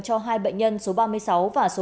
cho hai bệnh nhân số ba mươi sáu và số bốn mươi bốn